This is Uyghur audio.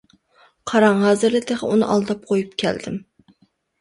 قاراڭ، ھازىرلا تېخى ئۇنى ئالداپ قويۇپ كەلدىم.